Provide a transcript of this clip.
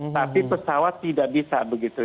tapi pesawat tidak bisa begitu